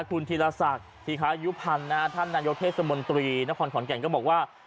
คุณธิรษัทธิคายุพันธ์นะฮะท่านนัยโยเทศสมนตรีนครขวัญแก่งก็บอกว่า